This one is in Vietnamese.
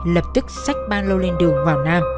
lập tức sách ban lô lên đường vào nam